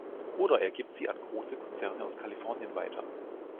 Oder er gibt sie an große Konzerne aus Kalifornien weiter.